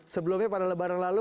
sebelumnya pada lebaran lalu